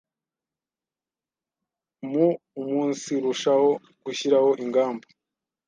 Mu umunsirushaho gushyiraho ingamba